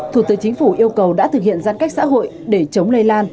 thủ tướng chính phủ yêu cầu đã thực hiện giãn cách xã hội để chống lây lan